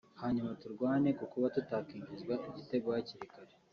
hanyuma turwane ku kuba tutakwinjinzwa igitego hakiri kare